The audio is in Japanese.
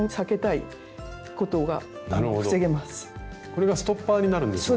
これがストッパーになるんですね。